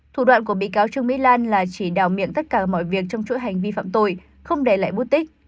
thủ đoạn của bị cáo trương mỹ lan là chỉ đào miệng tất cả mọi việc trong chuỗi hành vi phạm tội không để lại bút tích